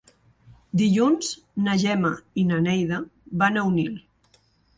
Dilluns na Gemma i na Neida van a Onil.